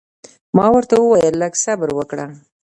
ما ورته وویل لږ صبر وکړه.